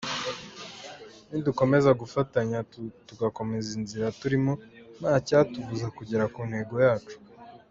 Nidukomeza gufatanya, tugakomeza inzira turimo, ntacyatubuza kugera ku ntego yacu.